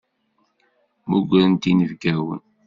Mmugrent inebgawen.